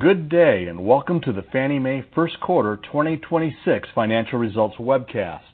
Good day, welcome to the Fannie Mae first quarter 2026 financial results webcast.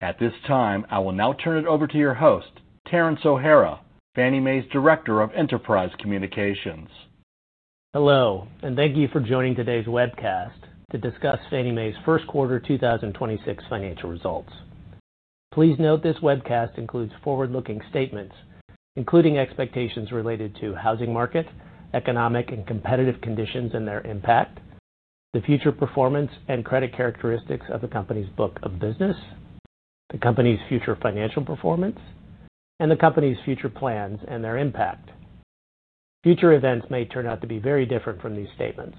At this time, I will now turn it over to your host, Terence O'Hara, Fannie Mae's Director of Enterprise Communications. Hello. Thank you for joining today's webcast to discuss Fannie Mae's first-quarter 2026 financial results. Please note this webcast includes forward-looking statements, including expectations related to housing market, economic and competitive conditions and their impact, the future performance and credit characteristics of the company's book of business, the company's future financial performance, and the company's future plans and their impact. Future events may turn out to be very different from these statements.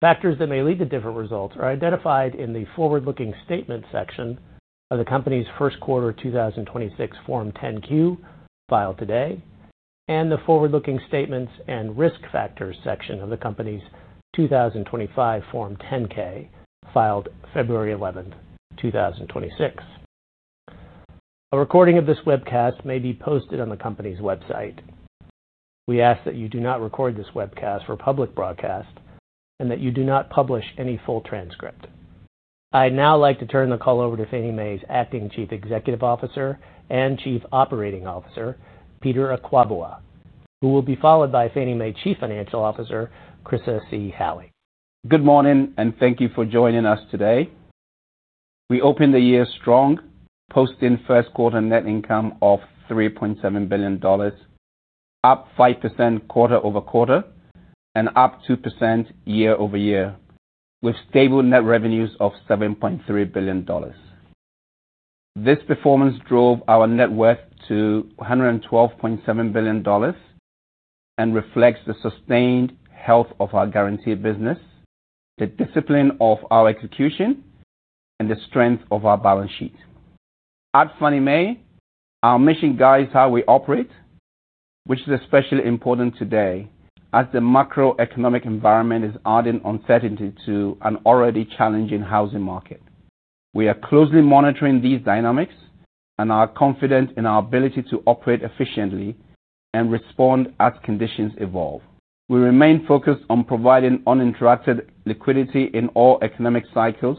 Factors that may lead to different results are identified in the forward-looking statement section of the company's first quarter 2026 Form 10-Q filed today and the forward-looking statements and risk factors section of the company's 2025 Form 10-K, filed February 11th, 2026. A recording of this webcast may be posted on the company's website. We ask that you do not record this webcast for public broadcast and that you do not publish any full transcript. I'd now like to turn the call over to Fannie Mae's Acting Chief Executive Officer and Chief Operating Officer, Peter Akwaboah, who will be followed by Fannie Mae Chief Financial Officer, Chryssa C. Halley. Good morning, and thank you for joining us today. We opened the year strong, posting first quarter net income of $3.7 billion, up 5% quarter-over-quarter and up 2% year-over-year, with stable net revenues of $7.3 billion. This performance drove our net worth to $112.7 billion and reflects the sustained health of our guaranteed business, the discipline of our execution, and the strength of our balance sheet. At Fannie Mae, our mission guides how we operate, which is especially important today as the macroeconomic environment is adding uncertainty to an already challenging housing market. We are closely monitoring these dynamics and are confident in our ability to operate efficiently and respond as conditions evolve. We remain focused on providing uninterrupted liquidity in all economic cycles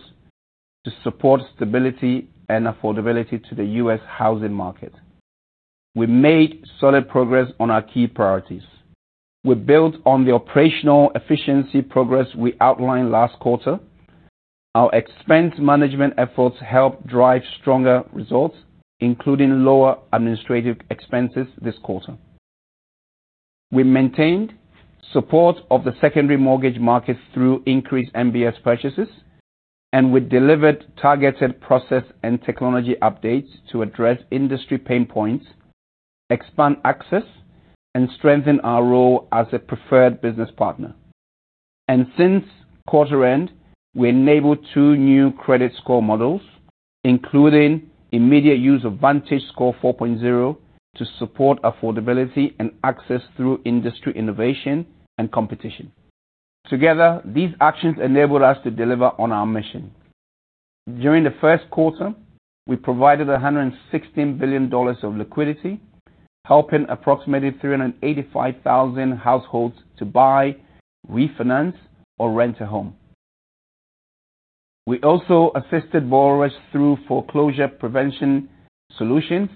to support stability and affordability to the U.S. housing market. We made solid progress on our key priorities. We built on the operational efficiency progress we outlined last quarter. Our expense management efforts help drive stronger results, including lower administrative expenses this quarter. We maintained support of the secondary mortgage market through increased MBS purchases. We delivered targeted process and technology updates to address industry pain points, expand access, and strengthen our role as a preferred business partner. Since quarter end, we enabled two new credit score models, including immediate use of VantageScore 4.0 to support affordability and access through industry innovation and competition. Together, these actions enabled us to deliver on our mission. During the first quarter, we provided $116 billion of liquidity, helping approximately 385,000 households to buy, refinance, or rent a home. We also assisted borrowers through foreclosure prevention solutions,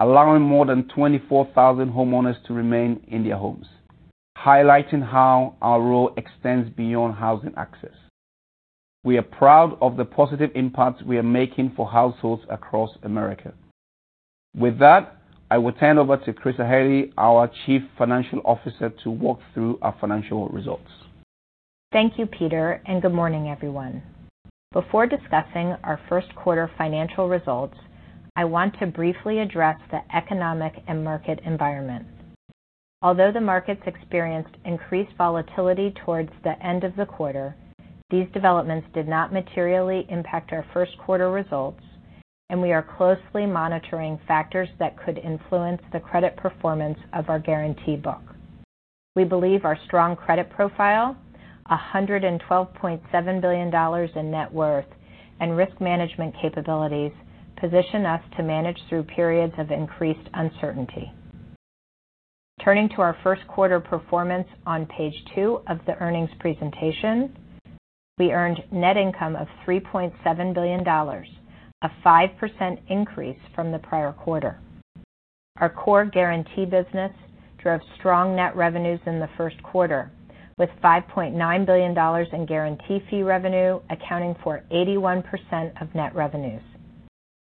allowing more than 24,000 homeowners to remain in their homes, highlighting how our role extends beyond housing access. We are proud of the positive impact we are making for households across America. With that, I will turn over to Chryssa C. Halley, our Chief Financial Officer, to walk through our financial results. Thank you, Peter, and good morning, everyone. Before discussing our first quarter financial results, I want to briefly address the economic and market environment. Although the markets experienced increased volatility towards the end of the quarter, these developments did not materially impact our first quarter results, and we are closely monitoring factors that could influence the credit performance of our guarantee book. We believe our strong credit profile, $112.7 billion in net worth and risk management capabilities position us to manage through periods of increased uncertainty. Turning to our first quarter performance on page 2 of the earnings presentation, we earned net income of $3.7 billion, a 5% increase from the prior quarter. Our core guarantee business drove strong net revenues in the first quarter, with $5.9 billion in guarantee fee revenue accounting for 81% of net revenues.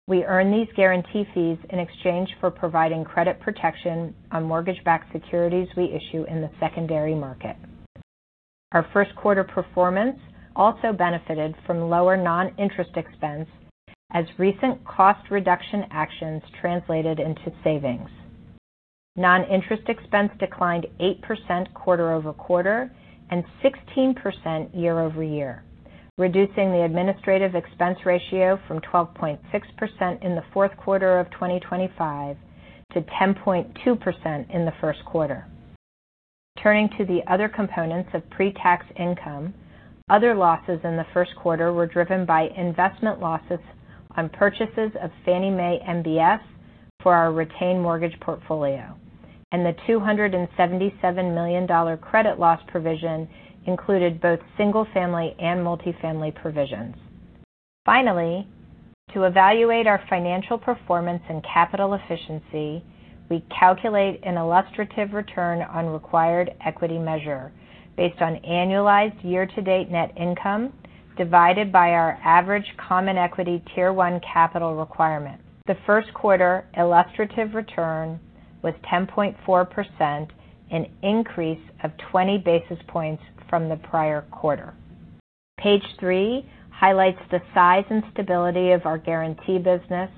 We earn these guarantee fees in exchange for providing credit protection on mortgage-backed securities we issue in the secondary market. Our first quarter performance also benefited from lower non-interest expense as recent cost reduction actions translated into savings. Non-interest expense declined 8% quarter-over-quarter and 16% year-over-year, reducing the administrative expense ratio from 12.6% in the fourth quarter of 2025 to 10.2% in the first quarter. Turning to the other components of pre-tax income, other losses in the first quarter were driven by investment losses on purchases of Fannie Mae MBS for our retained mortgage portfolio. The $277 million credit loss provision included both single-family and multifamily provisions. Finally, to evaluate our financial performance and capital efficiency, we calculate an illustrative return on required equity measure based on annualized year-to-date net income divided by our average Common Equity Tier 1 capital requirement. The first quarter illustrative return was 10.4%, an increase of 20 basis points from the prior quarter. Page two highlights the size and stability of our guarantee business,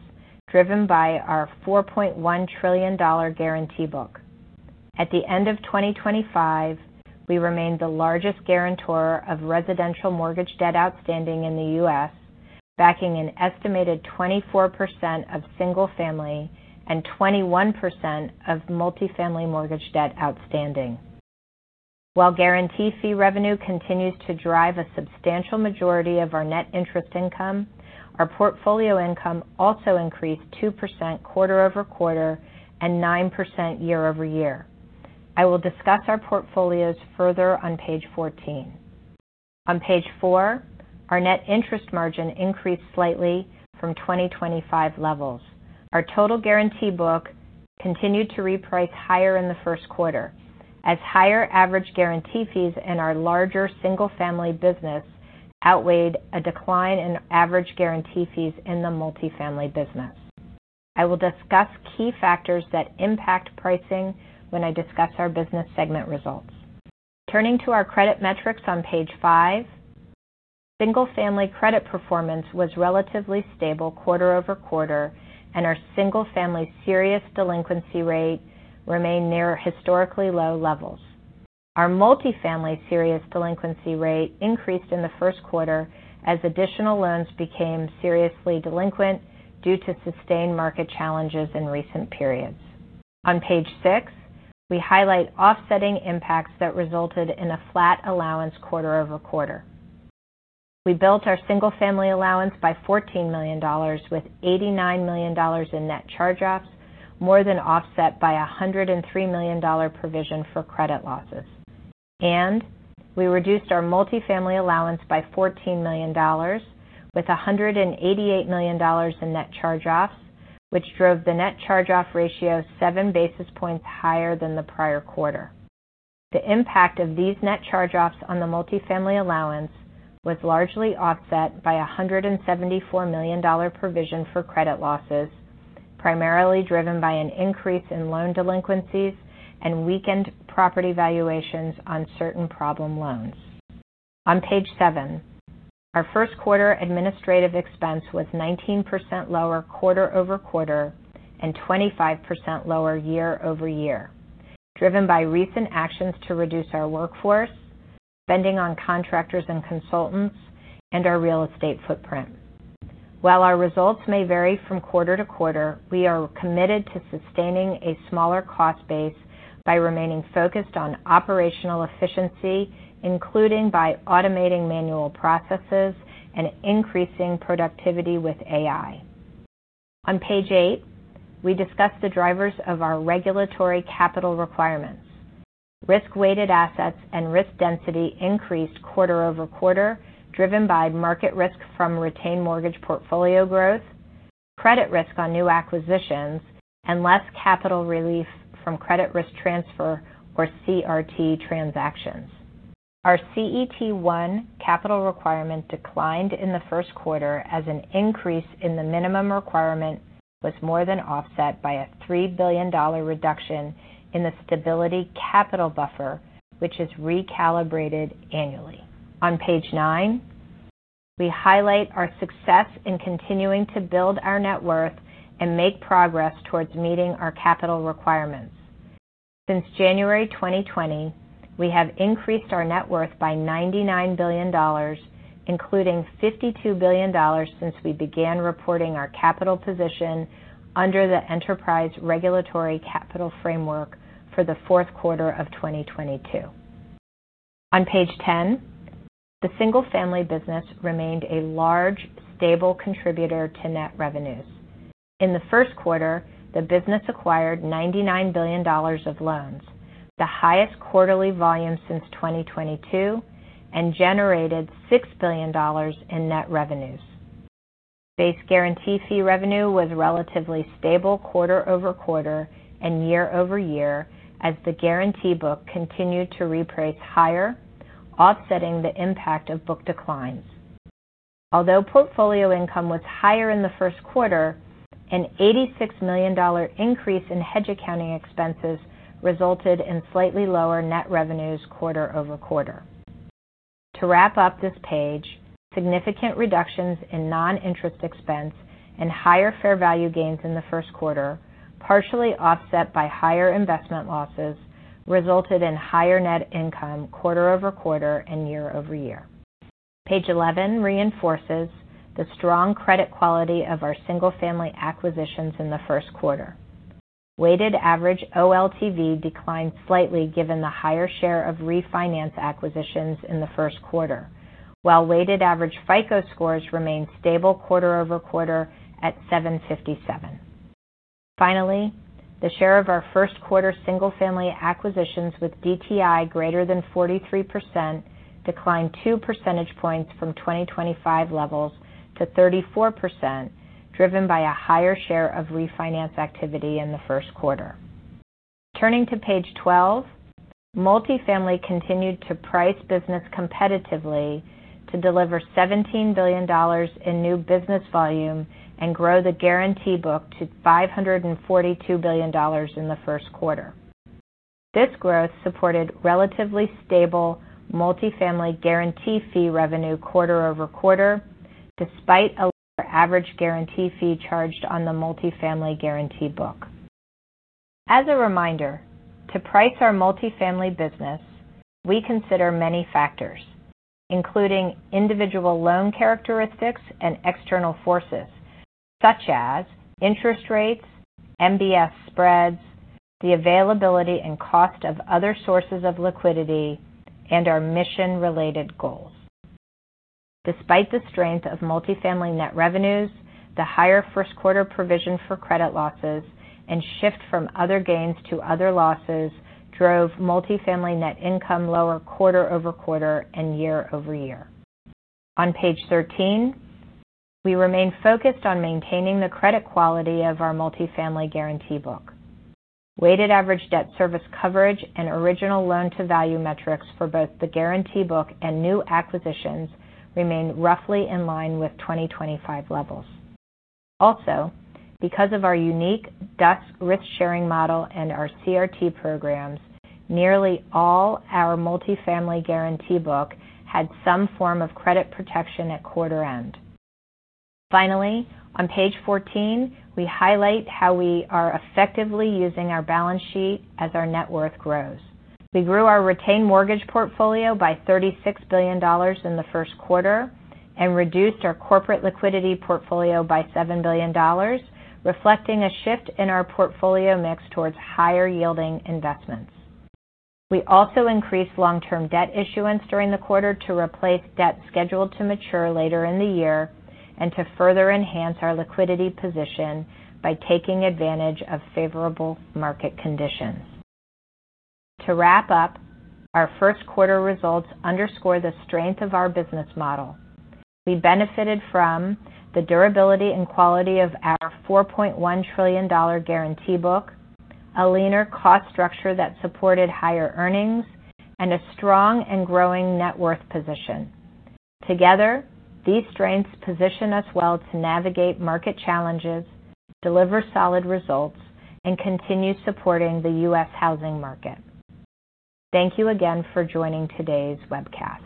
driven by our $4.1 trillion guarantee book. At the end of 2025, we remained the largest guarantor of residential mortgage debt outstanding in the U.S., backing an estimated 24% of single-family and 21% of multifamily mortgage debt outstanding. While guarantee fee revenue continues to drive a substantial majority of our net interest income, our portfolio income also increased 2% quarter-over-quarter and 9% year-over-year. I will discuss our portfolios further on page 14. On page four, our net interest margin increased slightly from 2025 levels. Our total guarantee book continued to reprice higher in the first quarter as higher average guarantee fees in our larger single-family business outweighed a decline in average guarantee fees in the multifamily business. I will discuss key factors that impact pricing when I discuss our business segment results. Turning to our credit metrics on page five, single-family credit performance was relatively stable quarter-over-quarter, and our single-family serious delinquency rate remained near historically low levels. Our multifamily serious delinquency rate increased in the first quarter as additional loans became seriously delinquent due to sustained market challenges in recent periods. On page six, we highlight offsetting impacts that resulted in a flat allowance quarter-over-quarter. We built our single-family allowance by $14 million with $89 million in net charge-offs, more than offset by a $103 million provision for credit losses. We reduced our multifamily allowance by $14 million, with $188 million in net charge-offs, which drove the net charge-off ratio seven basis points higher than the prior quarter. The impact of these net charge-offs on the multifamily allowance was largely offset by a $174 million provision for credit losses, primarily driven by an increase in loan delinquencies and weakened property valuations on certain problem loans. On page seven, our first quarter administrative expense was 19% lower quarter-over-quarter and 25% lower year-over-year, driven by recent actions to reduce our workforce, spending on contractors and consultants, and our real estate footprint. While our results may vary from quarter-to-quarter, we are committed to sustaining a smaller cost base by remaining focused on operational efficiency, including by automating manual processes and increasing productivity with AI. On page eight, we discuss the drivers of our regulatory capital requirements. Risk-weighted assets and risk density increased quarter-over-quarter, driven by market risk from retained mortgage portfolio growth, credit risk on new acquisitions, and less capital relief from credit risk transfer or CRT transactions. Our CET1 capital requirement declined in the first quarter as an increase in the minimum requirement was more than offset by a $3 billion reduction in the stability capital buffer, which is recalibrated annually. On page nine, we highlight our success in continuing to build our net worth and make progress towards meeting our capital requirements. Since January 2020, we have increased our net worth by $99 billion, including $52 billion since we began reporting our capital position under the Enterprise Regulatory Capital Framework for the fourth quarter of 2022. On page 10, the single-family business remained a large, stable contributor to net revenues. In the first quarter, the business acquired $99 billion of loans, the highest quarterly volume since 2022, and generated $6 billion in net revenues. Base guarantee fee revenue was relatively stable quarter-over-quarter and year-over-year as the guarantee book continued to reprice higher, offsetting the impact of book declines. Although portfolio income was higher in the first quarter, an $86 million increase in hedge accounting expenses resulted in slightly lower net revenues quarter-over-quarter. To wrap up this page, significant reductions in non-interest expense and higher fair value gains in the first quarter, partially offset by higher investment losses, resulted in higher net income quarter-over-quarter and year-over-year. Page 11 reinforces the strong credit quality of our single-family acquisitions in the first quarter. Weighted average OLTV declined slightly given the higher share of refinance acquisitions in the first quarter. While weighted average FICO scores remained stable quarter-over-quarter at 757. The share of our first quarter single-family acquisitions with DTI greater than 43% declined 2 percentage points from 2025 levels to 34%, driven by a higher share of refinance activity in the first quarter. Turning to page 12, multifamily continued to price business competitively to deliver $17 billion in new business volume and grow the guarantee book to $542 billion in the first quarter. This growth supported relatively stable multifamily guarantee fee revenue quarter-over-quarter, despite a lower average guarantee fee charged on the multifamily guarantee book. As a reminder, to price our multifamily business, we consider many factors, including individual loan characteristics and external forces, such as interest rates, MBS spreads, the availability and cost of other sources of liquidity, and our mission-related goals. Despite the strength of multifamily net revenues, the higher first quarter provision for credit losses and shift from other gains to other losses drove multifamily net income lower quarter-over-quarter and year-over-year. On page 13, we remain focused on maintaining the credit quality of our multifamily guarantee book. Weighted average debt service coverage and original loan-to-value metrics for both the guarantee book and new acquisitions remain roughly in line with 2025 levels. Because of our unique DUS risk-sharing model and our CRT programs, nearly all our multifamily guarantee book had some form of credit protection at quarter end. On page 14, we highlight how we are effectively using our balance sheet as our net worth grows. We grew our retained mortgage portfolio by $36 billion in the first quarter and reduced our Corporate Liquidity Portfolio by $7 billion, reflecting a shift in our portfolio mix towards higher-yielding investments. We also increased long-term debt issuance during the quarter to replace debt scheduled to mature later in the year and to further enhance our liquidity position by taking advantage of favorable market conditions. To wrap up, our first quarter results underscore the strength of our business model. We benefited from the durability and quality of our $4.1 trillion Guarantee Book, a leaner cost structure that supported higher earnings, and a strong and growing net worth position. Together, these strengths position us well to navigate market challenges, deliver solid results, and continue supporting the U.S. housing market. Thank you again for joining today's webcast.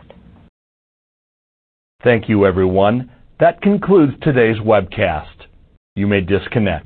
Thank you, everyone. That concludes today's webcast. You may disconnect.